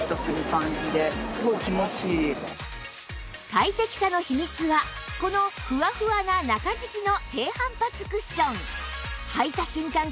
快適さの秘密はこのふわふわな中敷きの低反発クッション